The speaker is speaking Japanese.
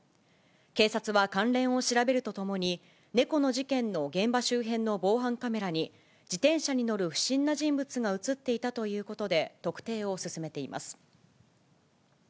警察は関連を調べるとともに、猫の事件の現場周辺の防犯カメラに、自転車に乗る不審な人物が写っていたということで、特定を進めています。